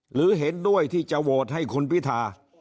หรือเห็นด้วยที่จะโหวตให้คุณพิธา